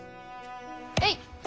えい。